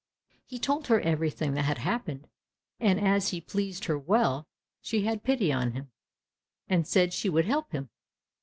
He told her everything that had happened, and as he pleased her well, she had pity on him, and said she would help him.